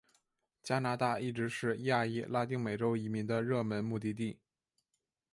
加拿大一直是亚裔拉丁美洲移民的热门目的地。